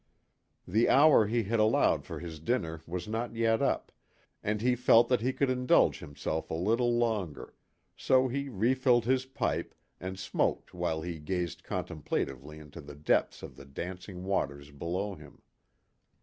The hour he had allowed for his dinner was not yet up, and he felt that he could indulge himself a little longer, so he refilled his pipe and smoked while he gazed contemplatively into the depths of the dancing waters below him.